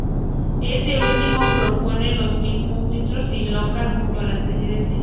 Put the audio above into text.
Este último propone a los ministros y los nombra junto al presidente.